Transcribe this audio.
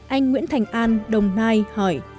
anh nguyễn thành an đồng nai hỏi